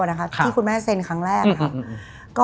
ที่คุณแม่เซ็นครั้งแรกค่ะ